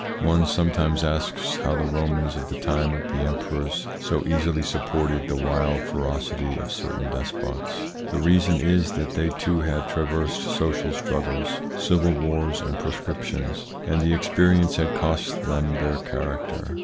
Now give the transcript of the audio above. One some times asks how the Romans of the time of the emperors so easily supported the wild ferocity of certain despots. The reason is that they too had traversed social struggles, civil wars, and proscriptions, and the experience had cost them their character.